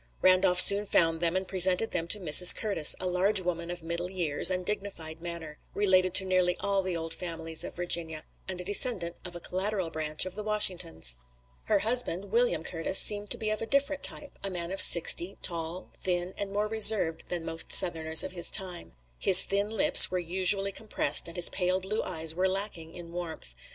Randolph soon found them and presented them to Mrs. Curtis, a large woman of middle years, and dignified manner, related to nearly all the old families of Virginia, and a descendant of a collateral branch of the Washingtons. Her husband, William Curtis, seemed to be of a different type, a man of sixty, tall, thin and more reserved than most Southerners of his time. His thin lips were usually compressed and his pale blue eyes were lacking in warmth.